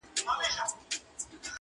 نجلۍ له غوجلې سره تړل کيږي تل.